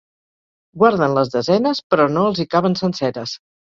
Guarden les desenes, però no els hi caben senceres.